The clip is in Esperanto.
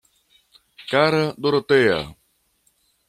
Kara Dorotea!